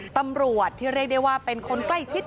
ตำรวจที่เรียกได้ว่าเป็นคนใกล้ชิด